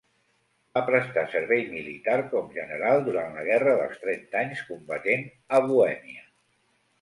Va prestar servei militar com general durant la Guerra dels Trenta Anys, combatent a Bohèmia.